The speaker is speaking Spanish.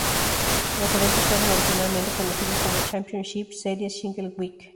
Los eventos fueron originalmente conocidos como "Championship Series, Single Week".